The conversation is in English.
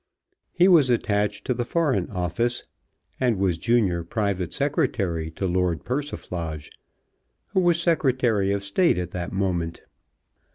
He was attached to the Foreign Office, and was Junior Private Secretary to Lord Persiflage, who was Secretary of State at that moment.